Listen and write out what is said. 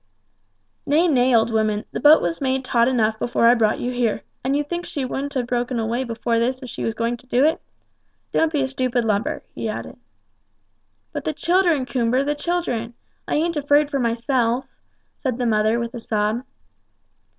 "Nay, nay, old woman, the boat was made taut enough before I brought you here, and you think she wouldn't have broke away before this if she was going to do it? Don't be a stupid lubber," he added. "But the children, Coomber, the children. I ain't afraid for myself," said the mother, with a sob.